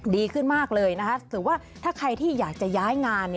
ดีขึ้นมากเลยนะคะถือว่าถ้าใครที่อยากจะย้ายงาน